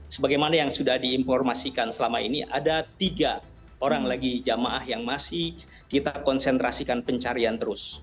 sebagaimana yang sudah diinformasikan selama ini ada tiga orang lagi jamaah yang masih kita konsentrasikan pencarian terus